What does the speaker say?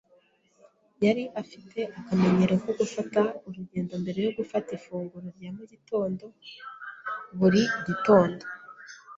Yari afite akamenyero ko gufata urugendo mbere yo gufata ifunguro rya mu gitondo buri gitondo.